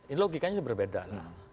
ini logikanya berbeda lah